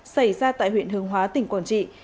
xảy ra tại huyện hương hóa tỉnh quảng trị